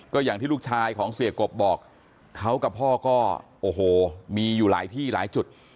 ก็อย่างที่ลูกชายของเสียกบบอกเขากับพ่อก็โอ้โหมีอยู่หลายที่หลายจุด